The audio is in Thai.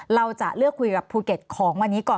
เราจะเลือกคุยกับภูเก็ตของวันนี้ก่อน